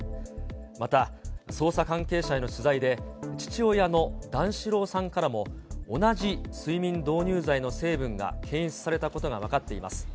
また、捜査関係者への取材で、父親の段四郎さんからも、同じ睡眠導入剤の成分が検出されたことが分かっています。